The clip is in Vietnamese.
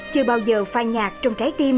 không bao giờ phai nhạt trong trái tim